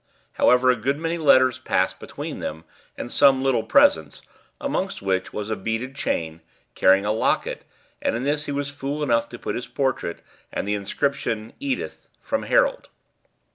However, a good many letters passed between them, and some little presents, amongst which was a beaded chain carrying a locket, and in this he was fool enough to put his portrait and the inscription, 'Edith, from Harold.'